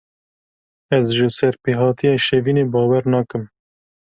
Ez ji serpêhatiya Şevînê bawer nakim.